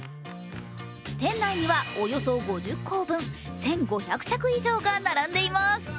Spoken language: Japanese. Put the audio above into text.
店内にはおよそ５０校分１５００着以上が並んでいます。